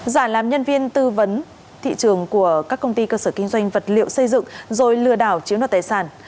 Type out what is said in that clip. giả làm nhân viên tư vấn thị trường của các công ty cơ sở kinh doanh vật liệu xây dựng rồi lừa đảo chiếm đoạt tài sản